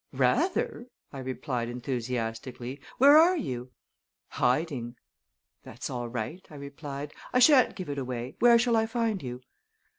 "Rather!" I replied enthusiastically. "Where are you?" "Hiding!" "That's all right," I replied. "I shan't give it away. Where shall I find you?"